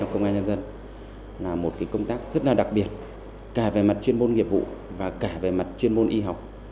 cả về mặt chuyên môn nghiệp vụ và cả về mặt chuyên môn y học